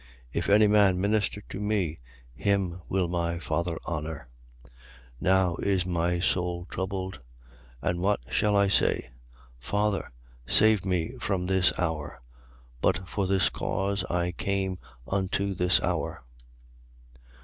If any man minister to me, him will my Father honour. 12:27. Now is my soul troubled. And what shall I say? Father, save me from this hour. But for this cause I came unto this hour.